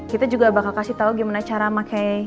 kita juga bakal kasih tau gimana cara pakai